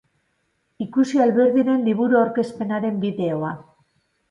Ikusi Alberdiren liburu-aurkezpenaren bideoa.